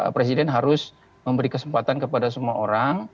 presiden harus memberi kesempatan kepada semua orang